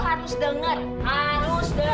aku udah nggak bisa